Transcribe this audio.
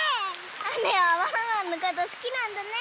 あめはワンワンのことすきなんだね！